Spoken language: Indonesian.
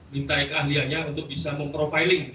ditarik keahliannya untuk bisa memprofiling